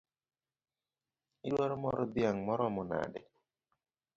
Idwaro mor dhiang’ maromo nade?